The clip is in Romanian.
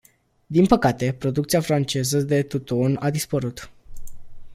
Din păcate, producția franceză de tutun a dispărut.